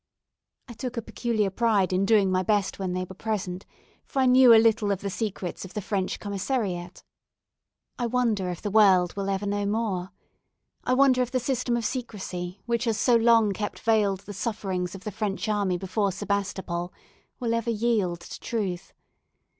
I took a peculiar pride in doing my best when they were present, for I knew a little of the secrets of the French commissariat. I wonder if the world will ever know more. I wonder if the system of secresy which has so long kept veiled the sufferings of the French army before Sebastopol will ever yield to truth.